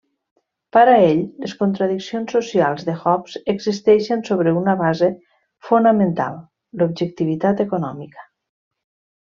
Para ell, les contradiccions socials de Hobbes existeixen sobre una base fonamental: l'objectivitat econòmica.